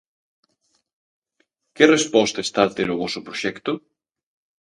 Que resposta está a ter o voso proxecto?